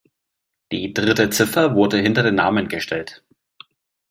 Die dritte Ziffer wurde hinter den Namen gestellt.